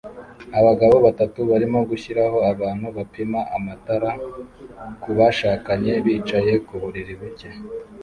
Abagabo batatu barimo gushiraho ahantu bapima amatara kubashakanye bicaye ku buriri buke